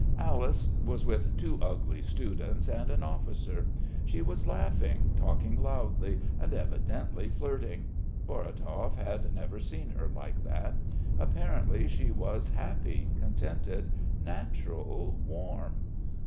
Alice was with two ugly students and an officer. She was laughing, talking loudly and evidently flirting. Vorotov had never seen her like that. Apparently she was happy, contented, natural, warm.